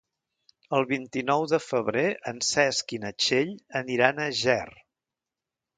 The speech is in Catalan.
El vint-i-nou de febrer en Cesc i na Txell aniran a Ger.